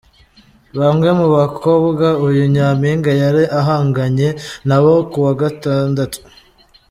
Bamwe mu bakobwa uyu nyampinga yari ahanganye nabo kuwa gatandatu.